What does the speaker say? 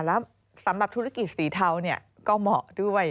แล้วสำหรับธุรกิจสีเทาก็เหมาะด้วย